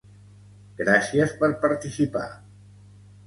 Gràcies per participar.